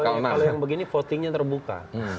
kalau yang begini votingnya terbuka